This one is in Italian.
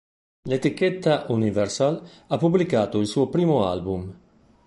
L’etichetta Universal ha pubblicato il suo primo album.